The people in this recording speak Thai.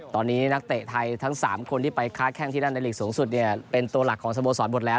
ตอนนี้นักเตะไทยทั้ง๓คนที่ไปค้าแข้งที่นั่นในหลีกสูงสุดเนี่ยเป็นตัวหลักของสโมสรหมดแล้ว